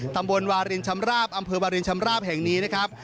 ตำบลวารินชำราบอำเภอวารินชำราบแห่งนี้นะครับ